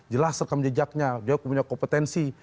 jelas rekam jejaknya dia punya kompetensi